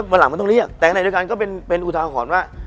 วันหลังก็ต้องเรียกแต่ในโดยการก็เป็นอุทาขอบความว่า